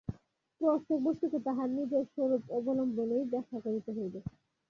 প্রত্যেক বস্তুকে তাহার নিজের স্বরূপ অবলম্বনেই ব্যাখ্যা করিতে হইবে।